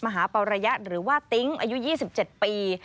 หาปรยะหรือว่าติ๊งอายุ๒๗ปี